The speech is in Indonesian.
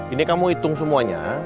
ini kamu hitung semuanya